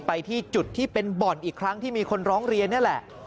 ไปที่จุดที่เป็นบ่อนอีกครั้งที่มีคนร้องเรียนนี่แหละ